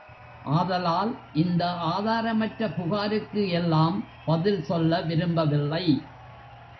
ஆதலால் இந்த ஆதாரமற்ற புகாருக்கு எல்லாம் பதில் சொல்ல விரும்பவில்லை.